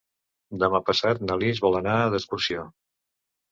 Demà passat na Lis vol anar d'excursió.